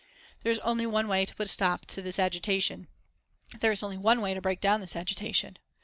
"There is only one way to put a stop to this agitation; there is only one way to break down this agitation.